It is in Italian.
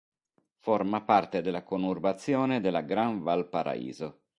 Forma parte della conurbazione della Gran Valparaíso.